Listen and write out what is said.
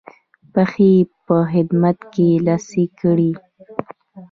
پښې یې په خدمت کې لڅې کړې.